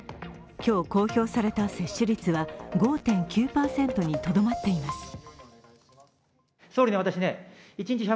今日、公表された接種率は５．９％にとどまっています。